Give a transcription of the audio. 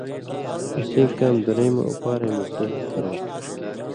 اسیں کام دُنَیں مہ اُپارَیں مسلی حل کرؤں تُھو۔